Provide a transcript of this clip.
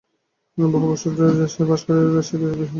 বহু বৎসর সে-দেশে বাস করিয়াও কোন বিদেশী ইহা বুঝিতে পারেন না।